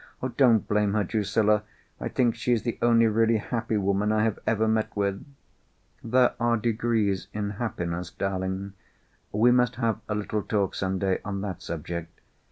Don't blame her, Drusilla. I think she is the only really happy woman I have ever met with." "There are degrees in happiness, darling. We must have a little talk, some day, on that subject.